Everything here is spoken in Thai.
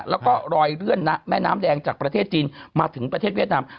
แล้วก็รอยเลื่อนนะแม่น้ำแดงจากประเทศจีนมาถึงประเทศเวียดนาม